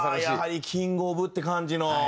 やはりキング・オブって感じの。